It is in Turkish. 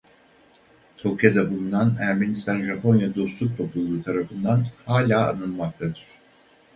Tokyo'da bulunan Ermenistan-Japonya Dostluk Topluluğu tarafından hala anılmaktadır.